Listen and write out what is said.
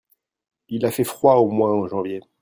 Il a fait froid au mois en janvier.